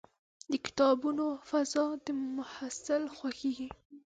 د کتابتون فضا د محصل خوښېږي.